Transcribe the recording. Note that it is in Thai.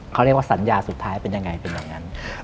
เขาเรียกว่าสัญญาสุดท้ายเป็นยังไงเป็นแบบนั้น